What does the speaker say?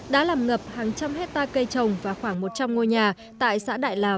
đã làm ngập hàng trăm hectare cây trồng và khoảng một trăm linh ngôi nhà tại xã đại lào